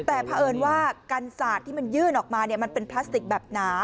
แต่เพราะเอิญว่ากันศาสตร์ที่มันยื่นออกมามันเป็นพลาสติกแบบหนา